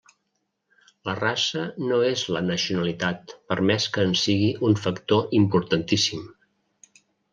La raça no és la nacionalitat per més que en sigui un factor importantíssim.